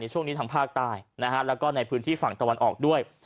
ช่วงนี้ทางภาคใต้แล้วก็ในพื้นที่ฝั่งตะวันออกด้วย